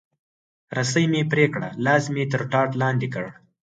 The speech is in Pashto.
رسۍ مې پرې کړه، لاس مې تر ټاټ لاندې کړ.